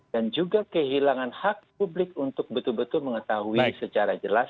dan juga kehilangan hak publik untuk betul betul mengetahui secara jelas